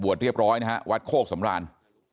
บวชเรียบร้อยนะครับวัดโคกสำราญ